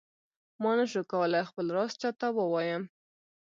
ما نه شو کولای خپل راز چاته ووایم.